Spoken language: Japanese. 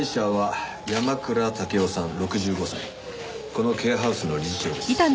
このケアハウスの理事長です。